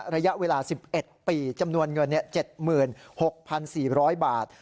ระยะเวลา๑๑ปีจำนวนเงิน๗๖๔๐๐บาท